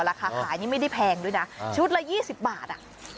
ราคาขายนี่ไม่ได้แพงด้วยนะชุดละ๒๐บาท